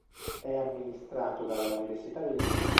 È amministrato dalla Università del Cile.